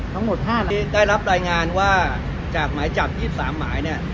ทั้งหมดได้รับรายงานว่าจากไม้จับอีก๓ใหม่เนี่ย